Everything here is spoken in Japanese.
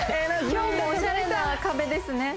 今日もおしゃれな壁ですね